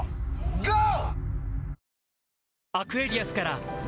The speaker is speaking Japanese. ゴー！